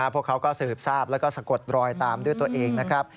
พวกเขาก็สืบทราบแล้วก็สะกดรอยตามด้วยตัวเองนะครับ